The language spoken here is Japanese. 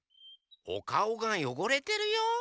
おかおがよごれてるよ。